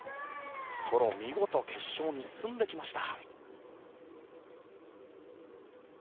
ソロ、見事決勝に進んできました。